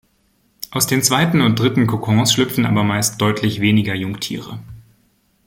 Aus den zweiten und dritten Kokons schlüpfen aber meist deutlich weniger Jungtiere.